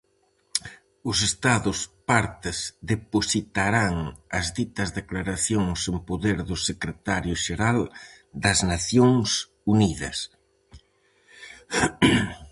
Os Estados Partes depositarán as ditas declaracións en poder do Secretario Xeral das Nacións Unidas.